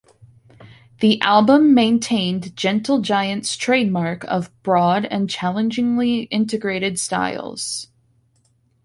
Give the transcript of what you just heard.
The album maintained Gentle Giant's trademark of broad and challengingly integrated styles.